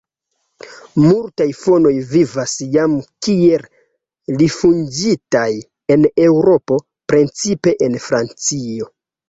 Multaj fonoj vivas jam kiel rifuĝintaj en Eŭropo, precipe en Francio.